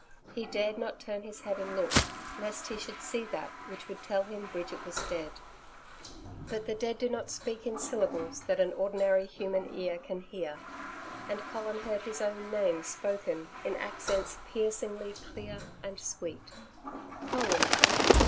He DARED not turn his head and look lest he should see that which would tell him Bridget was dead. But the dead do not speak in syllables that an ordinary human ear can hear. And Colin heard his own name spoken in accents piercingly clear and sweet. 'Colin.'